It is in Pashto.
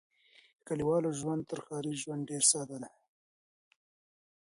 د کليوالو ژوند تر ښاري ژوند ډېر ساده دی.